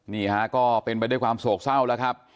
นี่ฮะก็เป็นไปด้วยความโศกเศร้าแล้วครับ